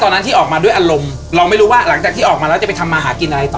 ตอนนั้นที่ออกมาด้วยอารมณ์เราไม่รู้ว่าหลังจากที่ออกมาแล้วจะไปทำมาหากินอะไรต่อ